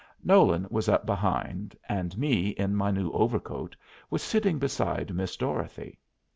Nolan was up behind, and me, in my new overcoat, was sitting beside Miss Dorothy.